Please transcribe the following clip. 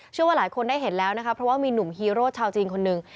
เชื่อว่าหลายคนได้เห็นแล้วนะคะเพราะว่ามีหนุ่มฮีโร่ชาวจีนคนหนึ่ง